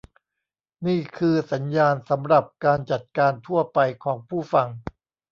นี่คือสัญญาณสำหรับการจัดการทั่วไปของผู้ฟัง